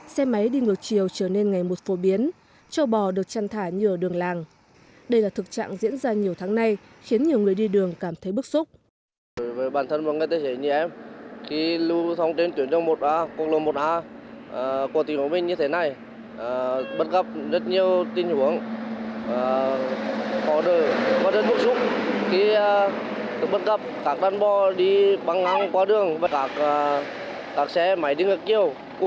xe máy đi ngược chiều trở nên ngày một phổ biến cho bò được chăn thả nhờ đường làng đây là thực trạng diễn ra nhiều tháng nay khiến nhiều người đi đường cảm thấy bức xúc